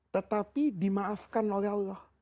tetapi dimaafkan oleh allah